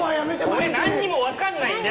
俺何にも分かんないんで！